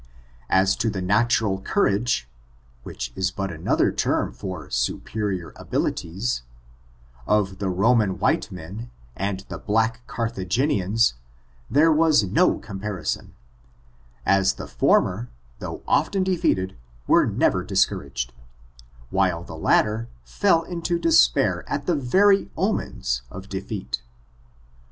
As to the ncUural courage (which is but another term for superior abilities) of the JRoman white men, and the black Garthagenians, there was no comparison ; as the former, though oftsn defeated, were never discouraged ; while the latter fell into despair at the very omens of defeat.